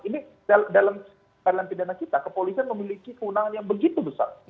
ini dalam keadaan pidana kita kepolisian memiliki keunangan yang begitu besar